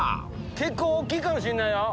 結構大きいかもしれないよ。